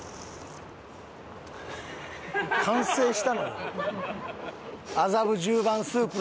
完成したのよ。